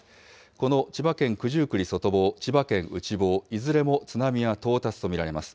この千葉県九十九里外房、千葉県内房、いずれも津波は到達と見られます。